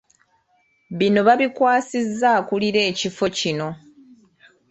Biino babikwasizza akulira ekifo kino.